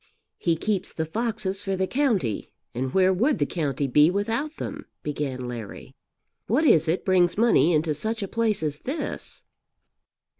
"He keeps the foxes for the county, and where would the county be without them?" began Larry. "What is it brings money into such a place as this?"